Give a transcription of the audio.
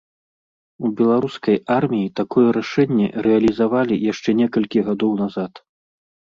У беларускай арміі такое рашэнне рэалізавалі яшчэ некалькі гадоў назад.